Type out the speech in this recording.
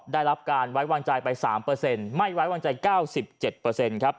ได้รับการไว้วางใจไป๓เปอร์เซ็นต์ไม่ไว้วางใจ๙๗เปอร์เซ็นต์ครับ